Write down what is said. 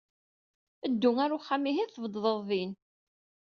Ddu ar axxam-ihin tbeddeḍ din!